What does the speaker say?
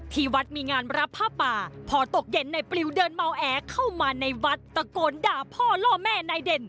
ที่วัดมีงานรับผ้าป่าพอตกเย็นนายปลิวเดินเมาแอเข้ามาในวัดตะโกนด่าพ่อล่อแม่นายเด่น